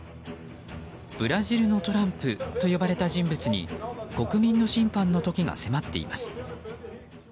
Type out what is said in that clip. ブラジルのトランプと呼ばれた人物に国民の審判の時が迫っています。